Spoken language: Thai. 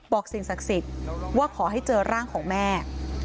สิ่งศักดิ์สิทธิ์ว่าขอให้เจอร่างของแม่